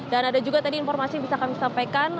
dan ada juga tadi informasi yang bisa kami sampaikan